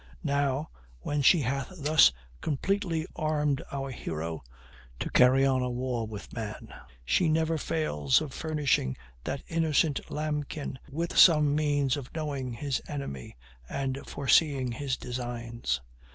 Now, when she hath thus completely armed our hero to carry on a war with man, she never fails of furnishing that innocent lambkin with some means of knowing his enemy, and foreseeing his designs.